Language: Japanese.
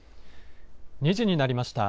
２時になりました。